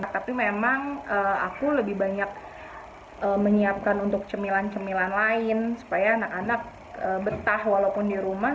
tapi memang aku lebih banyak menyiapkan untuk cemilan cemilan lain supaya anak anak betah walaupun di rumah